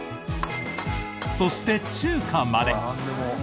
そして、中華まで。